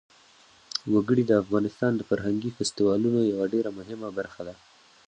وګړي د افغانستان د فرهنګي فستیوالونو یوه ډېره مهمه برخه ده.